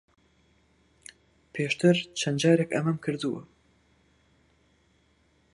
پێشتر چەند جارێک ئەمەم کردووە.